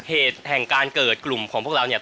เหตุแห่งการเกิดกลุ่มของพวกเราเนี่ย